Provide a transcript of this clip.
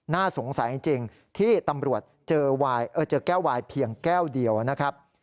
น่าสงสัยจริงที่ตำรวจเจอแก้ววายเพียงแก้วเดียวนะครับ